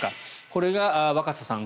これが若狭さん